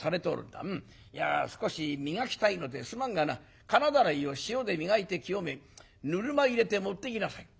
いや少し磨きたいのですまんがな金だらいを塩で磨いて清めぬるま湯入れて持ってきなさい」。